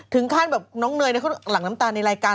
ถึงขั้นแบบน้องเนยเขาหลั่งน้ำตาลในรายการ